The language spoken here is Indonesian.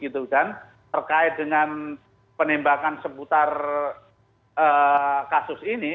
terkait dengan penembakan seputar kasus ini